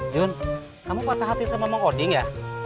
jun kamu patah hati sama meng oding ya